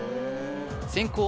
先攻